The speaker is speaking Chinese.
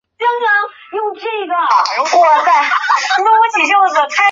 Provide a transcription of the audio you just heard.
奉圣都虞候王景以所部投降石敬瑭。